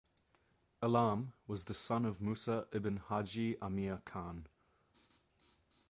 Alam was the son of Musa ibn Haji Amir Khan.